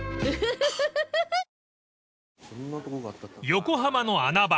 ［横浜の穴場